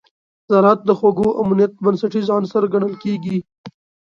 زراعت د خوړو امنیت بنسټیز عنصر ګڼل کېږي.